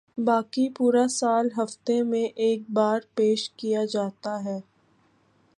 باقی پورا سال ہفتے میں ایک بار پیش کیا جاتا ہے